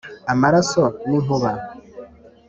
amaraso n'inkuba